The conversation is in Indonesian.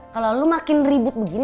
kalau lo makin ribut begini